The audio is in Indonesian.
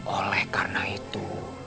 oleh karena itu